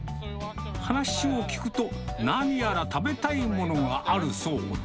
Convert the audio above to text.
話を聞くと、何やら食べたいものがあるそうで。